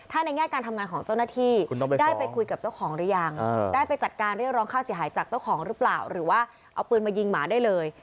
ถ้าในแง่การทำงานของเจ้าหน้าที่ได้ไปคุยกับเจ้าของหรือยังได้ไปจัดการเรียกร้องค่าเสียหายจากเจ้าของหรือเปล่าหรือว่าเอาปืนมายิงหมาได้เลย